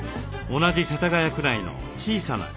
同じ世田谷区内の小さなカフェ。